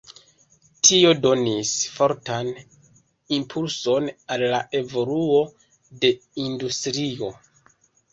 Tio donis fortan impulson al la evoluo de industrio.